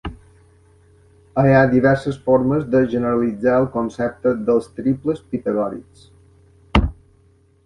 Hi ha diverses formes de generalitzar el concepte dels triples pitagòrics.